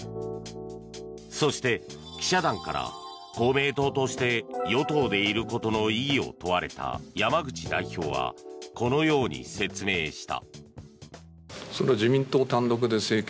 そして記者団から公明党として与党でいることの意義を問われた山口代表はこのように説明した。